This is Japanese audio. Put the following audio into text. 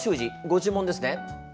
ご注文ですね？